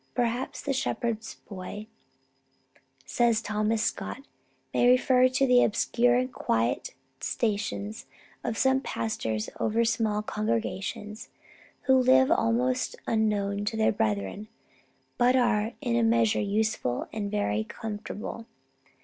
"Perhaps the shepherd's boy," says Thomas Scott, "may refer to the obscure and quiet stations of some pastors over small congregations, who live almost unknown to their brethren, but are in a measure useful and very comfortable."